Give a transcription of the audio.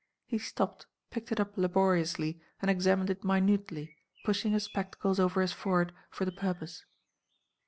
He stopped, picked it up laboriously, and examined it minutely, pushing his spectacles over his forehead for the purpose.